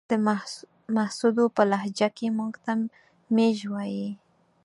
د محسودو په لهجه کې موږ ته ميژ وايې.